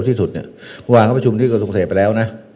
ที่สุดเนี่ยหวังว่าประชุมนี้ก็สงสัยไปแล้วน่ะ